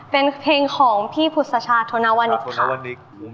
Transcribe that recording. เป็นเพลงของพี่พุษชาโทนาวนิกค่ะ